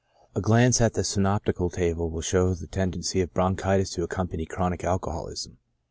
A glance at the synoptical table will show the tendency of bronchitis to accompany chronic alcoholism.